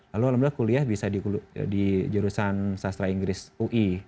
lalu alhamdulillah kuliah bisa di jurusan sastra inggris ui